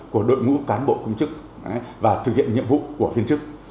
của đội ngũ cán bộ công chức và thực hiện nhiệm vụ của viên chức